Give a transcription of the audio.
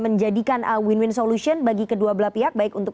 menjadikan win win solution bagi kedua belah pihak